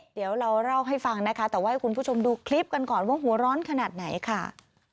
เดี๋ยวเราเล่าให้ฟังนะคะแต่ว่าให้คุณผู้ชมดูคลิปกันก่อนว่าหัวร้อนขนาดไหนค่ะ